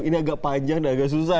ini agak panjang dan agak susah